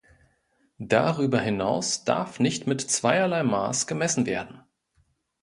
Darüber hinaus darf nicht mit zweierlei Maß gemessen werden.